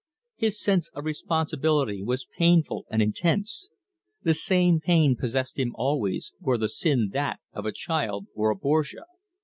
His sense of responsibility was painful and intense. The same pain possessed him always, were the sin that of a child or a Borgia.